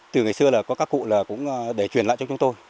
từ ngày xưa là có các cụ là cũng để truyền lại cho chúng tôi